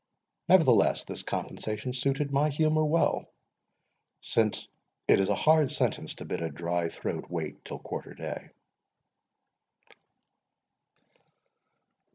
Nevertheless this compensation suited my humour well, since it is a hard sentence to bid a dry throat wait till quarter day.